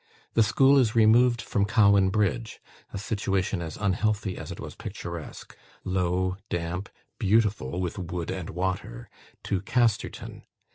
The school is removed from Cowan Bridge (a situation as unhealthy as it was picturesque low, damp, beautiful with wood and water) to Casterton.